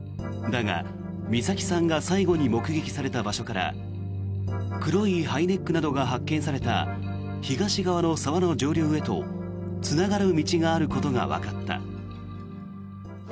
だが、美咲さんが最後に目撃された場所から黒いハイネックなどが発見された東側の沢の上流へとつながる道があることがわかった。